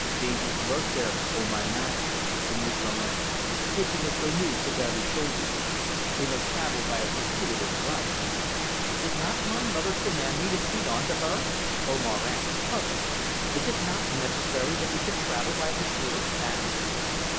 "Dangers lurk there, O my Master," the negro answered, hitching his burnouse about his shoulders. "We must travel by a circuitous route." "Did not my mother command me to speed unto her?" Omar asked, puzzled. "Is it not necessary that we should travel by the shortest path?"